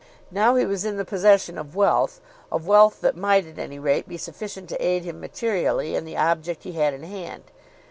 Now he was in the possession of wealth, of wealth that might, at any rate, be sufficient to aid him materially in the object he had in hand.